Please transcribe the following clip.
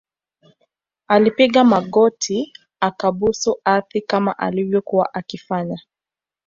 alipiga magoti akabusu ardhi kama alivyokuwa akifanya